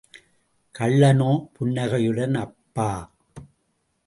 கள்ளனோ புன்னகையுடன் அப்பா!